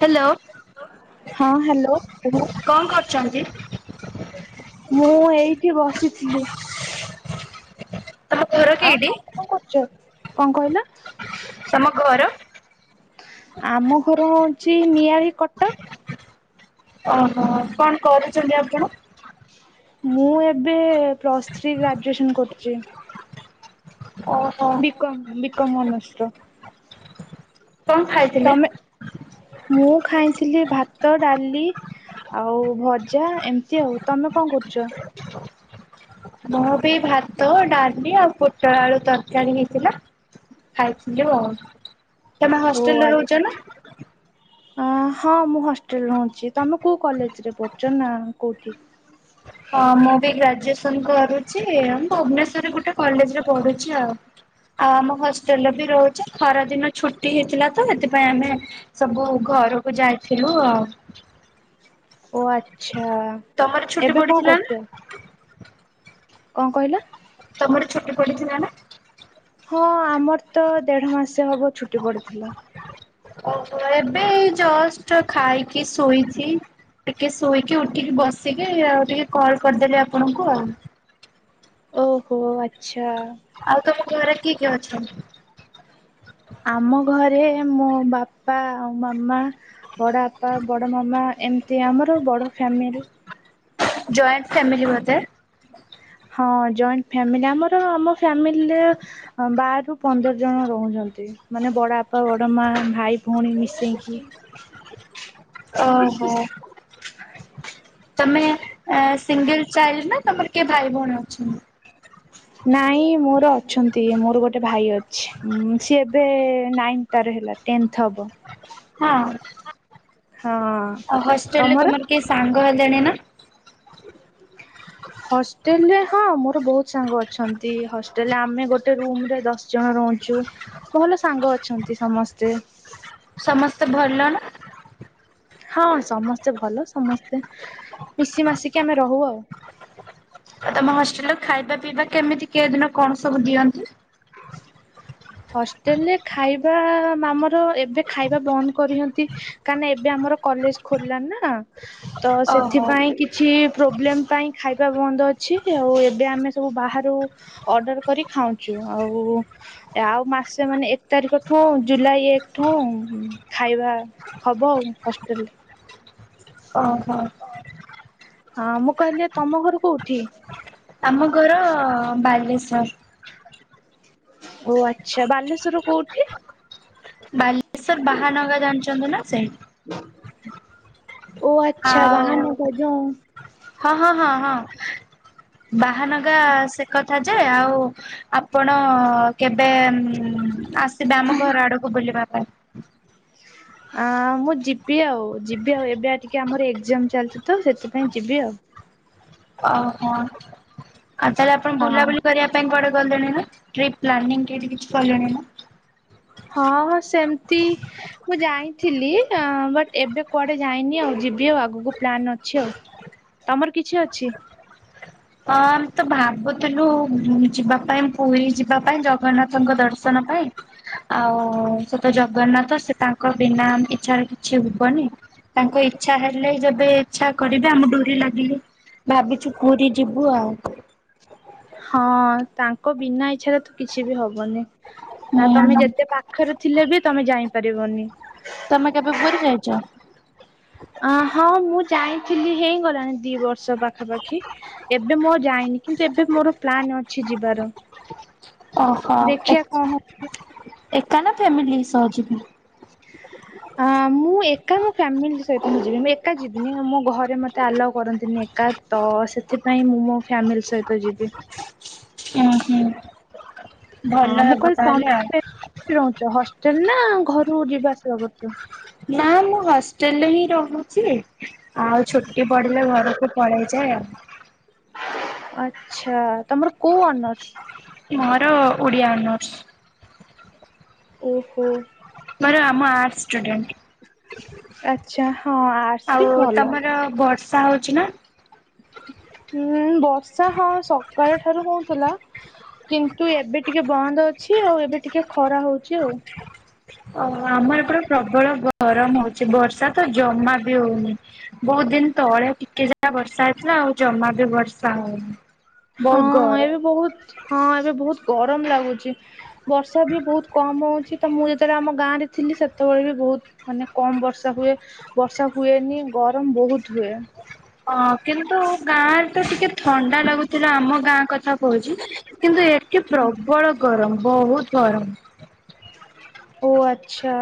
Hello ହଁ hello କୁହ କଣ କରୁଛନ୍ତି? ମୁଁ ଏଇଠି ବସିଥିଲି। ତମ ଘରକି ଆଉ ଏଇଠି। ତମେ କଣ କରୁଛ? କଣ କହିଲ? ତମ ଘର? ଆମ ଘର ହଉଚି ନିଆଳି କଟକ। ଓହୋ କଣ କରୁଚନ୍ତି ଆପଣ? ମୁଁ ଏବେ ପ୍ଲସ୍ ଥ୍ରୀ ଗ୍ରାଜୁଏସନ କରୁଚି। ଓ ବିକମ୍ ବିକମ୍ ଅନର୍ଶ ର। କଣ ଖାଇଥିଲେ? ତମେ ମୁଁ ଖାଇଥିଲି ଭାତ, ଡାଲି ଆଉ ଭଜା ଏମିତି ଆଉ ତମେ କଣ କରୁଚ? ମୁଁ ବି ଭାତ ଡାଲି ଆଉ ପୋଟଳ ଆଳୁ ତରକାରୀ ହେଇଥିଲା। ଖାଇଥିଲୁ ଆଉ ତମେ ହଷ୍ଟେଲରେ ରହୁଚ ନା? ଅଁ ହଁ ମୁଁ ହଷ୍ଟେଲ ରହୁଚି ତୁମେ କୋଉ କଲେଜରେ ପଢ଼ୁଚ ନା କୋଉଠି? ହଁ ମୁଁ ବି ଗ୍ରାଜୁଏସନ କରୁଚି ଭୁବନେଶ୍ୱରରେ ଗୋଟେ କଲେଜରେ ପଢୁଚି ଆଉ। ଆଉ ଆମ ହଷ୍ଟେଲ ବି ରହୁଚି ଖରାଦିନ ଛୁଟି ହେଇଥିଲା ତ ସେଥିପାଇଁ ଆମେ ସବୁ ଘରୁକୁ ଯାଇଥିଲୁ ଆଉ। ଓ ଆଚ୍ଛା ତମର ଛୁଟି ଏବେ କଣ ପଡିଥିଲା ନା? କରୁଚ? କଣ କହିଲ? ତମର ଛୁଟି ପଡିଥିଲା ନା? ହଁ ଆମର ତ ଦେଢ ମାସ ହବ ଛୁଟି ପଡିଥିଲା। ଓହୋ ଏବେ ଏଇ ଜଷ୍ଟ ଖାଇକି ଶୋଇଚି। ଟିକେ ଶୋଇକି ଉଠିକି ବସିକି ଆଉ ଟିକେ କଲ୍ କରିଦେଲି ଆପଣଙ୍କୁ ଆଉ। ଓହୋ ଆଚ୍ଛା। ଆଉ ତମ ଘରେ କିଏ କିଏ ଅଛ? ଆମ ଘରେ ମୋ ବାପା ଆଉ ମାମା। ବଡ଼ ଆପା ବଡ ମାମା ଏମିତି ଆମର ବଡ ଫ୍ୟାମିଲି। ଜଏଣ୍ଟ ଫ୍ୟାମିିଲ ବୋଧେ। ହଁ ଜଏଣ୍ଟ ଫ୍ୟାମିଲି ଆମର ଆମ ଫ୍ୟାମିଲିରେ ବାରରୁ ପନ୍ଦର ଜଣ ରହୁଛନ୍ତି ମାନେ ବଡ ଆପା ବଡ ମା ଭାଇ ଭଉଣୀ ମିଶେଇକି। ଓହୋ। ତମେ ସିଙ୍ଗଲ ଚାଇଲ୍ଡ ନା ତମର କିଏ ଭାଇ ଭଉଣୀ ଅଛନ୍ତି? ନାଇଁ ମୋର ଅଛନ୍ତି ମୋର ଗୋଟେ ଭାଇ ଅଛି ସିଏ ଏବେ ନାଇଁନ୍ ତାର ହେଲା ଟେନ୍ଥ ହବ। ହଁ। ହଁ। ଆଉ ହଷ୍ଟେଲ ରେ ତମର କିଏ ସାଙ୍ଗ ହେଲେଣି ନା? ହଷ୍ଟେଲ ରେ ହଁ ମୋର ବହୁତ ସାଙ୍ଗ ଅଛନ୍ତି ହଷ୍ଟେଲରେ ଆମେ ଗୋ ଟେ ରୁମ ରେ ଦଶ ଜଣ ରହୁଚୁ ଭଲ ସାଙ୍ଗ ଅଛନ୍ତି ସମସ୍ତେ। ସମସ୍ତେ ଭଲ ନା? ହଁ ସମସ୍ତେ ଭଲ ସମସ୍ତେ ମିଶି ମାସିକି ଆମେ ରହୁ ଆଉ। ଆଉ ତମ ହଷ୍ଟେଲ ର ଖାଇବା ପିଇବା କେମିତି କେ ଦିନ କଣ ସବୁ ଦିଅନ୍ତି? ହଷ୍ଟେଲରେ ଖାଇବା ମାମର ଏବେ ଖାଇବା ବନ୍ଦ କରିଛନ୍ତି। କାଁ ନା ଏବେ ଆମର କଲେଜ ଖୋଲିଲାନା ତ ଓହୋ ସେଥିପାଇଁ କି ଛି ପ୍ରୋବ୍ଲେମ ପାଇଁ ଖାଇବା ବନ୍ଦ ଅଛି ଆଉ ଏବେ ଆମେ ସବୁ ବାହାରୁ ଅର୍ଡର କରି ଖାଉଚୁ ଆଉ ଆଉ ମାସେ ମାନେ ଏକ ତାରିଖ ଠୁ ଜୁଲାଇ ଏକଠୁ ଖାଇବା ହବ ଆଉ ହଷ୍ଟେଲରେ। ଓହୋ। ହଁ ମୁଁ କହିଲି ତମ ଘର କୋଉଠି? ଆମ ଘର ବାଲେଶ୍ଵର। ଓ ଆଚ୍ଛା ବାଲେଶ୍ଵର କୋଉଠି? ସାର୍ ବାହାନଗା ଜାଣିଚନ୍ତି ନା ସେଠି। ଓ ଆଚ୍ଛା ଆଉ ବାହାନଗା ଯୋଉ ହଁ ହଁ ହଁ ହଁ ବାହାନଗା ସେ କଥା ଯେ ଆଉ ଆପଣ କେବେ ଉଁମ୍ ଆସିବେ ଆମ ଘର ଆଡ଼କୁ ବୁଲିବା ପାଇଁ। ଆ ମୁଁ ଯିବି ଆଉ ଯିବି ଆଉ ଏବେ ଟିକେ ଆମର ଏକ୍ଜାମ ଚାଲିଚି ତ ସେଥିପାଇଁ ଯିବି ଆଉ। ଓହୋ ଆଉ ତାହେଲେ ଆପଣ ହଁ ବୁଲାବୁଲି କରିବା ପାଇଁ କୁଆଡେ ଗଲେଣି ନା ଟ୍ରିପ୍ ପ୍ଲାନିଂ କୋଉଠି କିଛି କଲେଣି ନା? ହଁ ହଁ ସେମିତି। ମୁଁ ଯାଇଥିଲି ଅଁ ବଟ ଏବେ କୁଆଡେ ଯାଇନି ଆଉ ଯିବି ଆଉ ଆଗକୁ ପ୍ଲାନ୍ ଅଛି ଆଉ। ତମର କିଛି ଅଛି? ହଁ ଆମେ ତ ଭାବୁଥିଲୁ ଯିବା ପାଇଁ ପୁରୀ ଯିବା ପାଇଁ ଜଗନ୍ନାଥଙ୍କ ଦର୍ଶନ ପାଇଁ। ଆଉ ସେତ ଜଗନ୍ନାଥ ସେ ତାଙ୍କ ବିନା ଇଚଛାରେ କିଛି ହୁବନି। ତାଙ୍କ ଇଛା ହେଲେ ଯେବେ ଇଚ୍ଛା କରିବେ ଆମ ଡୋରି ଲାଗିଲେ ଭାବିଛୁ ପୁରୀ ଯିବୁ ଆଉ। ହଁ ତାଙ୍କ ବିନା ଇଚ୍ଛାରେ ତ କିଛି ବି ହବନି ନା ତମେ ହୁଁ ଯେତେ ପା ପାଖରେ ଥିଲେ ବି ତମେ ଯାଇଁ ପାରିବନି। ତମେ କେବେ ପୁୁରୀ ଯାଇଚ? ଅ ହଁ ମୁଁ ଯାଇଥିଲି ହେଇଗଲାଣି ଦି ବର୍ଷ ପାଖାପାଖି। ଏବେ ମୁଁ ଆଉ ଯାଇନି କିନ୍ତୁ ଏବେ ମୋର ପ୍ଲାନ୍ ଅଛି ଯିବାର। ଓହୋ ଦେଖିବା କଣ ଏକ ହଉଛି। ଏକା ନା ଫ୍ୟାମିଲି ସହ ଜିବ? ହଁ ମୁଁ ଏକା ମୋ ଫ୍ୟାମିଲି ସହିତ ମୁଁ ଯିବି ମୁଁ ଏକା ଯିବିନି ମୋ ଘରେ ମତେ ଆଲାଓ କରନ୍ତି ନି ଏକା ତ ସେଥିପାଇଁ ମୁଁ ମୋ ଫ୍ୟାମିଲି ସହିତ ଯିବି। ଉଁ ହୁଁ ହଁ ଭଲ ମୁଁ ହେବ କହିଲି ତାହେଲେ ଆଉ। ତମେ [unintelligible] ରହୁ ହଷ୍ଟେଲ ନା ଘରୁ ଯିବା ଆସିବା କରୁଚ? ନା ମୁଁ ହଷ୍ଟେଲ ରେ ହିଁ ରହୁଚି ଆଉ ଛୁଟି ପଡିଲେ ଘରକୁ ପଳେଇ ଯାଏ ଆଉ। ଆଛା ତମର କୋଉ ଅନର୍ସ? ମୋର ଓଡିଆ ଅନର୍ସ। ଓହୋ। ମୋର ଆମ ଆର୍ଟ ଆଚ୍ଛା ହଁ ଷ୍ଟୁଡେଣ୍ଟ। ଆର୍ଟସ ବି ଆଉ ଭଲ। ତମର ବର୍ଷା ହଉଚି ନା? ହୁଁ ବର୍ଷା ହଁ ସକାଳ ଠାରୁ ହଉଥିଲା କିନ୍ତୁ ଏବେ ଟିକେ ବନ୍ଦ ଅଛି ଆଉ ଏବେ ଟିକେ ଖରା ହଉଚି ଆଉ। ଓ ଆମର ଏପଟେ ପ୍ରବଳ ବ ଗରମ ହଉଛି ବର୍ଷା ତ ଜମା ବି ହଉନି ବହୁତ ଦିନ ତଳେ ଟିକେ ଜା ହା ବର୍ଷା ହେଇଥିଲା ଆଉ ଜମା ବି ବର୍ଷା ହଉନି। ହଁ ବହୁତ ଗରମ। ଏବେ ବହୁତ ହଁ ଏବେ ବହୁତ ଗରମ ଲାଗୁଚି। ବର୍ଷା ବି ବହୁତ କମ ହଉଚି। ତ ମୁଁ ଯେତେବେଳେ ଆମ ଗାଁ ରେ ଥିଲି ସେତେବେଳେ ବି ବହୁତ ମାନେ କମ ବର୍ଷା ହୁଏ। ବର୍ଷା ହୁଏନି ଗରମ ବହୁତ ହୁଏ। ହଁ କିନ୍ତୁ ଗାଁ ରେ ତ ଟିକେ ଥଣ୍ଡା ଲାଗୁଥିଲା ଆମ ଗାଁ କଥା କଥା କହୁଛି କିନ୍ତୁ ଏଠେ ପ୍ରବଳ ଗରମ ବହୁତ ଗରମ। ଓ ଆଛା।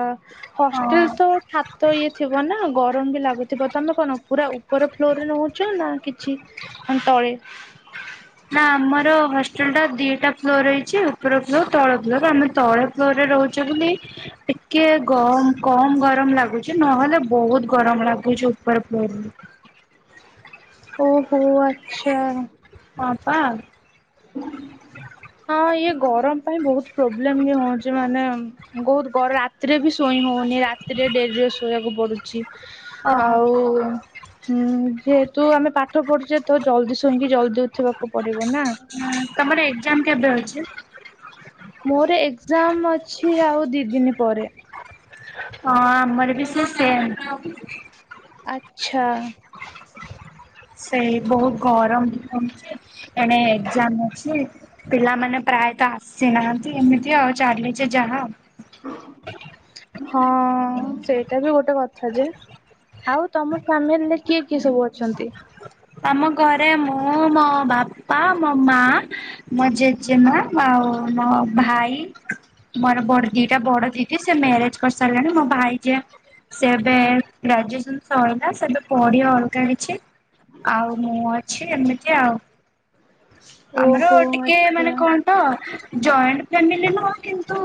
ହଷ୍ଟେଲ ହଁ ତ ଛାତ ଇଏ ଥିବ ନା ଗରମ ବି ଲାଗୁ ଥିବ ତମେ କଣ ପୁରା ଉପର ଫ୍ଲୋର ରେ ରହୁଛ ନା କିଛି ତଳେ ନା ଆମର ହଷ୍ଟେଲ ଟା ଦିଟା ଫ୍ଲୋର ରହିଛି ଉପର ଫ୍ଲୋର ତଳ ଫ୍ଲୋର ଆମେ ତଳେ ଘରେ ରହୁଛ ବୋଲି ଟିକେ ଗମ କମ ଗରମ ଲାଗୁ ଚି ନହେଲେ ବହୁତ ଗରମ ଲାଗୁଛି ଉପର ଫ୍ଲୋର ରୁ। ଓହୋ ଆଛା। ହଁ ପା। ହଁ ଇଏ ଗରମ ପାଇଁ ବହୁତ ପ୍ରୋବ୍ଲେମ୍ ବି ହଉଛି ମାନେ ବହୁତ ଗରମ ରାତିରେ ବି ଶୋଇ ହଉନି ରାତିରେ ଡେରିରେ ଶୋଇବାକୁ ପଡୁଛି। ଓହୋ। ଆଉ ହୁଁ ଯେହେତୁ ଆମେ ପାଠ ପଢୁଛେ ତ ଜଲଦି ଶୁଇଁକି ଜଲଦି ଉଠିବାକୁ ପଡିବ ନା। ହୁଁ ତମର ଏକ୍ଜାମ କେବେ ଅଛି? ମୋର ଏକ୍ଜାମ ଅଛି ଆଉ ଦି ଦିନି ପରେ। ହଁ ଆମର ବି ସେ ସେମ୍। ଆଚ୍ଛା। ସେ ବହୁତ ଗରମ ହଉଛି ଏଣେ ଏକ୍ଜାମ ଅଛି। ପିଲାମାନେ ପ୍ରାୟତଃ ଆସିନାହାନ୍ତି ଏମିତି ଆଉ ଚାଲିଛି ଯାହା। ହଁ ସେଇଟା ବି ଗୋଟେ କଥା ଯେ। ଆଉ ତମ ଫାମିଲି ରେ କିଏ କିଏ ସବୁ ଅଛନ୍ତି? ଆମ ଘରେ ମୁଁ ମୋ ବାପା ମୋ ମା ମୋ ଜେଜେମା ଆଉ ମୋ ଭାଇ। ମୋର ବଡ ଦିଟା ବଡ ଦିଦି ସେ ମ୍ୟାରେଜ ସାରିଲେଣି ମୋ ଭାଇ ଯିଏ ସିଏ ଏବେ ଗ୍ରାଜୁଏସନ ସଇଲା ସେ ଏବେ ପଢିବ ଅଲଗା କିଛି ଆଉ ମୁଁ ଅଛି ଏମିତି ଆଉ। ଆମର ଓହୋ ଟିକେ ଆଚ୍ଛା। ମାନେ କଣ ତ ଜଏଣ୍ଟ ଫାମିଲି ନୁହଁ କିନ୍ତୁ,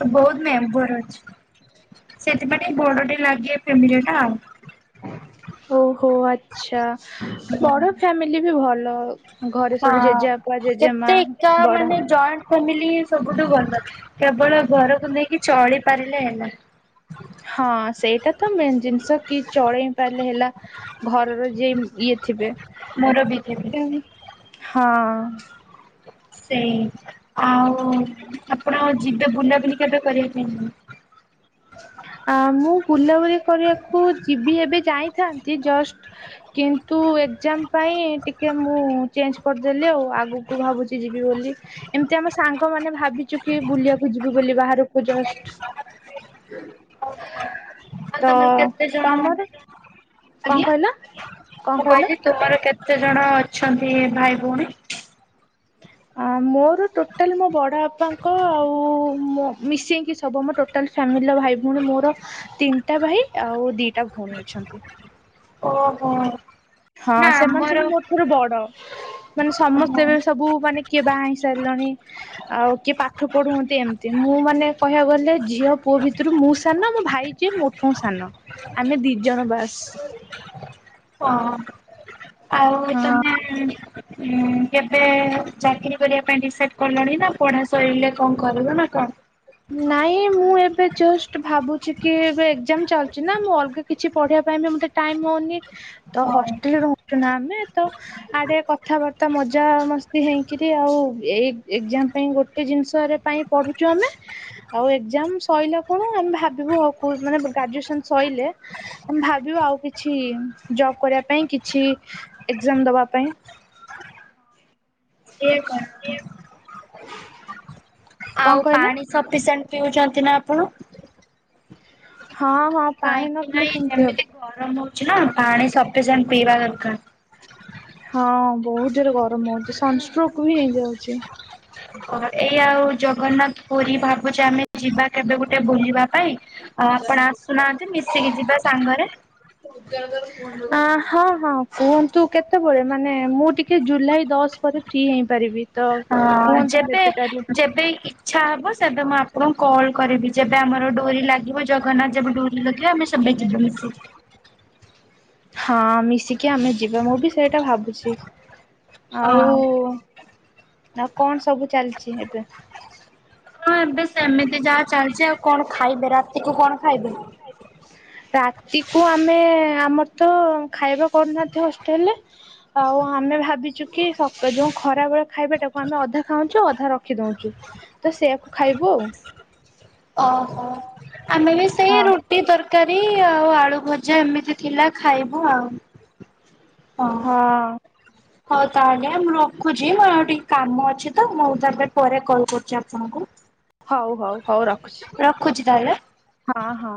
ସେ ବହୁତ ମେମ୍ବର ଅଛି ସେଥିପାଇଁ ବଡ ଟେ ଲାଗେ ଫ୍ୟାମିଲି ଟା ଆଉ। ଓହୋ ଆଛା ବଡ ଆଉ। ଫ୍ୟାମିଲି ବି ଭଲ। ଘରେ ସବୁ ଜେଜେବାପା ହଁ ଜେଜେମା କେତେ ଏକା ବଡ ମାନେ ଜଏଣ୍ଟ ଫ୍ୟାମିଲି ସବୁଠୁ ଭଲ କେବଳ ଘରକୁ ନେଇକି ଚଳି ପାରିଲେ ହେଲା। ହଁ ସେଇଟା ତ ମେନ୍ ଜିନିଷ କି ଚଳେଇ ପାରିଲେ ହେଲା। ଘରର ଯିଏ ଇଏ ଥିବେ ମୋର ବି କେବେ ହଁ। ସେଇ ଆଉ ଆପଣ ଯିବେ ବୁଲାବୁଲି କେବେ କରିବା ପାଇଁ? ଆ ମୁଁ ବୁଲାବୁଲି କରିବାକୁ ଯିବି ଏବେ ଯାଇଥାନ୍ତି ଜଷ୍ଟ କିନ୍ତୁ ଏକ୍ଜାମ। ପାଇଁ ଟିକେ ମୁଁ ଚେଞ୍ଜ କରିଦେଲି ଆଉ ଆଗକୁ ଭାବୁଛି ଯିବି ବୋଲି। ଏମିତି ଆମ ସାଙ୍ଗମାନେ ଭାବିଛୁ କି ବୁଲିବାକୁ ଯିବୁ ବୋଲି ବାହାରକୁ ଜଷ୍ଟ ଆଉ ତ ତମର କେତେ ଜଣ ତମର କ ଆଜ୍ଞା କହିଲ କ ମୁଁ କହିଲ? କହିଲି ତୁମର କେ କେତେ ଜଣ ଅଛନ୍ତି ଭାଇ ଭଉଣୀ? ଆ ମୋର ଟୋଟାଲ ମୋ ବଡ଼ ପାଙ୍କ ଆଉ ମୋ ମିଶେଇକି ସବୁ ଆମ ଟୋଟାଲ୍ ଫ୍ୟାମିଲିର ଭାଇ ଭଉଣୀ ମୋର ତିନିଟା ଭାଇ ଆଉ ଦିଟା ଭଉଣୀ ଅଛନ୍ତି। ଓହୋ। ନା ହଁ ସେମାନେ ଆମର ସବୁ ମୋ ଠାରୁ ବଡ ମାନେ ସମସ୍ତେ ବି ସବୁ ମାନେ କିଏ ବାହା ହେଇସାରିଲାଣି। ଆଉ କିଏ ପାଠ ପଢୁ ହନ୍ତି ଏମତି ମୁଁ ମାନେ କହିବାକୁ ଗଲେ ଝିଅ ପୁଅ ଭିତରୁ ମୁଁ ସାନ ମୋ ଭାଇ ଯେ ମୋଠୁ ସାନ ଆମେ ଦି ଜଣ ବାସ ହ ଆଉ ହଁ। ତମେ- ହଁ କେବେ ଚାକିରି କରିବା ପାଇଁ ଡିସାଇଡ କଲଣି ନା ପଢା ସରିଲେ କଣ କରିବନା କଣ। ନାଇଁ ମୁଁ ଏବେ ଜଷ୍ଟ ଭାବୁଛି କି ଏବେ ଏକ୍ଜାମ ଚାଲଛି ନା ମୁଁ ଅଲଗା କିଛି ପଢିବା ପାଇଁ ବି ମତେ ଟାଇମ ହଉନି ତ ହଁ ହଷ୍ଟେଲ ରହୁଛୁ ନା ଆମେ ତ ଆଡେ କଥାବାର୍ତ୍ତା ମଜା ମସ୍ତି ହେଇକିରି ଆଉ ଏ ଏ ଇ ଏକ୍ଜାମ ପାଇଁ ଗୋଟେ ଜିନିଷରେ ପାଇଁ ପଢୁଛୁ ଆମେ। ଆଉ ଏକ୍ଜାମ ସରିଲା ପରେ ଆମେ ଭାବିବୁ ଆଉ କଉ ମାନେ ଗ୍ରାଜୁଏସନ ସଇ ଲେ ଭାବିବ ଆଉ କିଛି ଜବ୍ କରିବା ପାଇଁ କିଛି ଏଗଜାମ୍‌ ଦବା ପାଇଁ। ଇଏ କର୍। ହ ଆଉ କହିଲେ ପାଣି ସପିସେଣ୍ଟ ପିଉଚନ୍ତି ନା ଆପଣ। ହଁ ହଁ ପାଣି କାହିଁକି ନ ନା ପିଲେ ଏଇ କେମତି ହବ। ଯେମିତି ଗରମ ହଉଛିି ନା ପାଣି ସପି ସେଣ୍ଟ ପିଇବା ଦରକାର୍। ହଁ ବହୁତ୍ ଜୋର୍ ରେ ଗରମ ହଉଛି ସନ୍‌ଷ୍ଟ୍ରକ୍ ବି ହୋଇଯାଉଛି। ହ ଏଇ ଆଉ ଜଗନ୍ନାଥ ପୁରୀ ଭାବୁଛେ ଆମେ ଯିବା କେବେ ଗୋଟେ ବୁଲିବା ପାଇଁ। ଆଉ ଆପଣ ଆସୁନାହାନ୍ତି ମିଶିକି ଯିବା ସାଙ୍ଗରେ। ଯାଉ [unintelligible] ଅ ହଁ ହଁ କୁହନ୍ତୁ କେତେବେଳେ ମାନେ ମୁଁ ଟିକେ ଜୁଲାଇ ଦଶ ପରେ ଫ୍ରି ହେଇପାରିବି। ତ ହଁ କୁହନ୍ତୁ ଯେବେ କେତେଟାରେ ଯେବେ ଇଚ୍ଛା ହବ ସେବେ ମୁଁ ଆପଣଙ୍କୁ କଲ୍ କରିବି। ଯେବେ ଆମର ଡ଼ୋରି ଲାଗିବ ଜଗନ୍ନାଥ ଯେବେ ଡ଼ୋରି ଲଗେଇବେ ଆମେ ସେବେ ଯିବା ମିଶିକି। ହଁ ମିଶିକି ଆମେ ଯିବା ମୁଁ ବି ସେଇଟା ଭାବୁଛି। ଆଉ ହଁ। ଆଉ କଣ ସବୁ ଚାଲିଛି ଏବେ। ହଁ ଏବେ ସେମିତି ଯାହା ଚାଲିଛି ଆଉ କଣ ଖାଇବେ ରାତିକୁୁ କଣ ଖାଇବେ। ରାତିକୁ ଆମେ ଆମର୍ ତ ଖାଇବା କରୁନାହାନ୍ତି ହଷ୍ଟେଲ୍‌ରେ। ଆଉ ଆମେ ଭାବିଚୁ କି ସକ୍ ଯୋଉ ଖରାବେଳେ ଖାଇବାଟାକୁ ଆମେ ଅଧା ଖାଉଁଚୁଁଅଧା ରଖିଦଉଛୁ ତ ସେଇଆକୁ ଖାଇବୁ ଆଉ। ଅହୋ ଆମେ ବି ସେ ହଁ। ଟି ତରକାରୀ ଆଉ ଆଳୁ ଭଜା ଏମିତି ଥିଲା ଖାଇବୁ ଆଉ। ହଁ। ହଉ ତା କାଟେ ମୁଁ ରଖୁଛି ମୋଉ ଟିକେ କାମ ଅଛି ତ ମୁଁ ତାପରେ ପରେ କଲ୍ କରୁଛି ଆପଣଙ୍କୁ। ହଉ ହଉ ହଉ ରଖୁଛି ରଖୁଛି ତାହେଲେ। ହଁ ହଁ।